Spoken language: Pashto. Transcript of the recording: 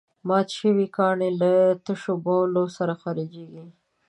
مات شوي کاڼي له تشو بولو سره خارجېږي.